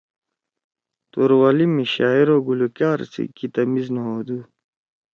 توروالی می شاعر او گلوکار سی کی تمیز نہ ہودُو۔